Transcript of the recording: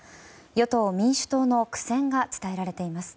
与党・民主党の苦戦が伝えられています。